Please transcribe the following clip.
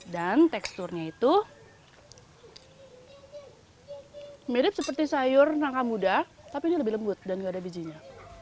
dan teksturnya itu mirip seperti sayur rangka muda tapi ini lebih lembut dan gak ada bijinya